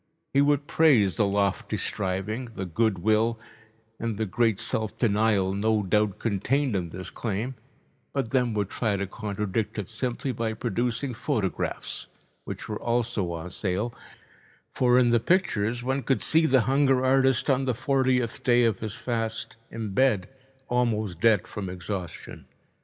He would praise the lofty striving, the good will, and the great self denial no doubt contained in this claim, but then would try to contradict it simply by producing photographs, which were also on sale, for in the pictures one could see the hunger artist on the fortieth day of his fast, in bed, almost dead from exhaustion.